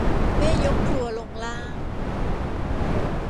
แม่ยกครัวลงล่าง